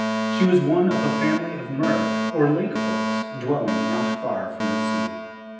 She was one of a family of mere or lake folks dwelling not far from the sea.